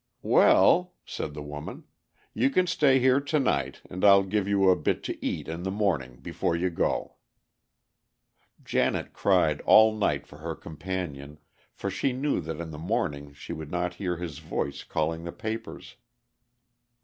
"Well," said the woman, "you can stay here to night, and I'll give you a bit to eat in the morning before you go." Janet cried all night for her companion, for she knew that in the morning she would not hear his voice calling the papers.